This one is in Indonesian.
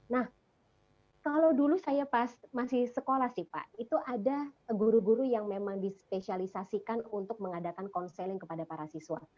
nah kalau dulu saya pas masih sekolah sih pak itu ada guru guru yang memang dispesialisasikan untuk mengadakan konseling kepada para siswa